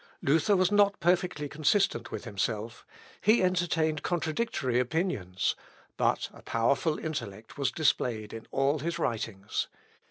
Luther was not perfectly consistent with himself; he entertained contradictory opinions; but a powerful intellect was displayed in all his writings.